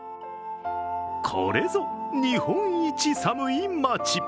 これぞ日本一寒い町。